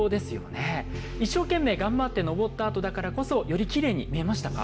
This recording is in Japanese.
一生懸命頑張って登ったあとだからこそよりきれいに見えましたか？